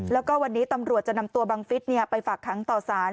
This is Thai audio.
แล้วก็วันนี้ตำรวจจะนำตัวบังฟิศไปฝากค้างต่อสาร